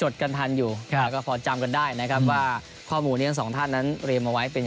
แล้วพรุ่งนี้ไปชมการแข่งขันฝุ่นวันด้วยกัน